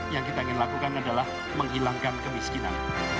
yang kita ingin lakukan adalah menghilangkan kemiskinan